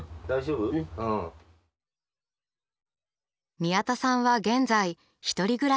宮田さんは現在１人暮らし。